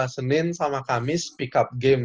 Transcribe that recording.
senin sama kamis pick up game